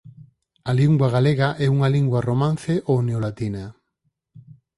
A lingua galega é unha lingua romance ou neolatina.